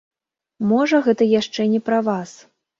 Можа, гэта яшчэ не пра вас.